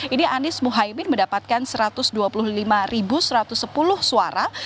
ini anies muhaymin mendapatkan satu ratus dua puluh lima satu ratus sepuluh suara